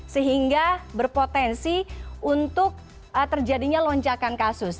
sehingga berpotensi untuk terjadinya lonjakan kasus